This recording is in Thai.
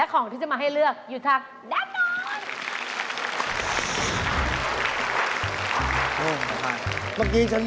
ของชิ้นไหนราคาถูกที่สุด